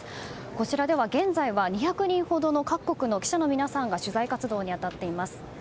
こちらでは現在は２００人ほどの各国の記者の皆さんが取材活動に当たっています。